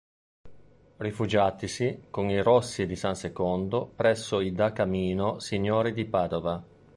Rifugiatisi con i Rossi di San Secondo presso i da Camino signori di Padova.